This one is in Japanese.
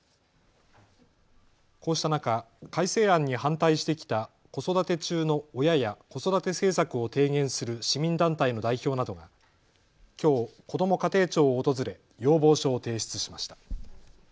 こうした中、改正案に反対してきた子育て中の親や子育て政策を提言する市民団体の代表などがきょう、こども家庭庁を訪れ要望書を提出しました。